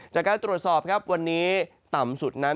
จากการตรวจสอบครับวันนี้ต่ำสุดนั้น